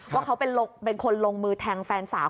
ว่าเขาเป็นคนลงมือแทงแฟนสาว